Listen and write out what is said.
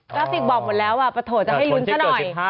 กาศิกบอกหมดแล้วอ่ะปะโถจะให้ลุ้นกันหน่อย